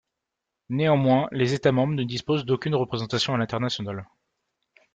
Néanmoins, les États-membres ne disposent d’aucune représentation à l’international.